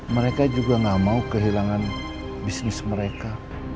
mereka juga gak mau kehilangan bisnis mereka